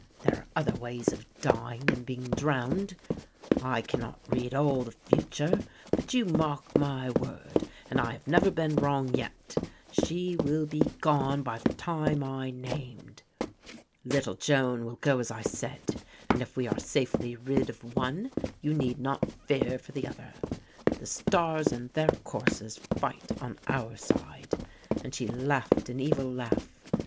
There are other ways of dying than being drowned. I cannot read all the future, but you mark my word, and I have never been wrong yet, she will be gone by the time I named. Little Joan will go as I said; and if we are safely rid of one you need not fear for the other. The stars in their courses fight on our side," and she laughed an evil laugh.